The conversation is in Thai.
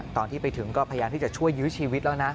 ตอนที่ไปถึงก็พยายามที่จะช่วยยื้อชีวิตแล้วนะ